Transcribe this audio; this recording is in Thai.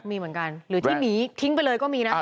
มีเหมือนกันหรือที่หนีทิ้งไปเลยก็มีนะ